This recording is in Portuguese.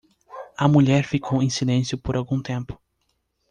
A mulher ficou em silêncio por algum tempo.